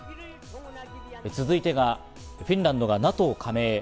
続いてがフィンランドＮＡＴＯ加盟へ。